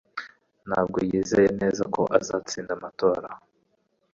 ntabwo yizeye neza ko azatsinda amatora.